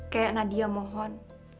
kek nadia mohon